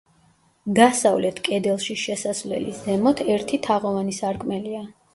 დასავლეთ კედელში შესასვლელის ზემოთ ერთი თაღოვანი სარკმელია.